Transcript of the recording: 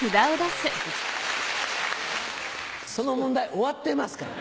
その問題終わってますから。